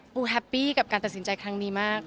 ปูแฮปปี้กับการตัดสินใจครั้งนี้มาก